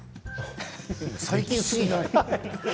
最近すぎない？